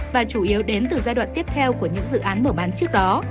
và chủ yếu đến từ giai đoạn tiếp theo của những dự án mở bán trước đó